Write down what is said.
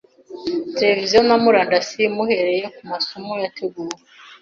televisiyo na murandasi, muhereye ku masomo yateguwe